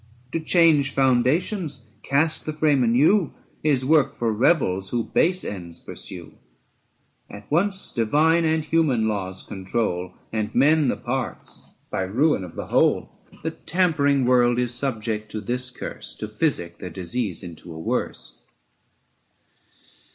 To change foundations, cast the frame anew, 805 Is work for rebels who base ends pursue, At once divine and human laws control, And mend the parts by ruin of the whole. The tampering world is subject to this curse, To physic their disease into a worse.